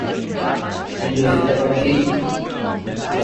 This suggests that all the net heat comes in through the top isotherm.